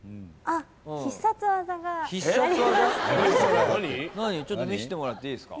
ちょっと見してもらっていいですか？